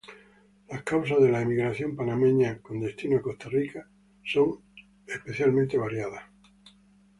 Las causas de la emigración panameña con destino a Costa Rica son especialmente variadas.